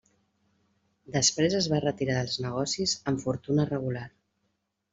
Després es va retirar dels negocis amb fortuna regular.